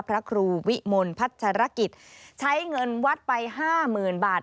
พระครูวิมลพัชรกิจใช้เงินวัดไปห้าหมื่นบาท